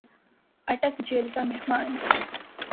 اٹک jail کا مہمان